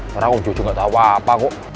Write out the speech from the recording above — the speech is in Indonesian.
padahal om jojo nggak tahu apa apa kok